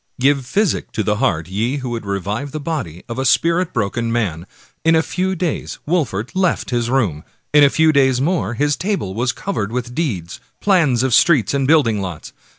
Give physic to the heart, ye who would revive the body of a spirit broken man! In a few days Wolfert left his room ; in a few days more his table was covered with deeds, plans of streets and building lots.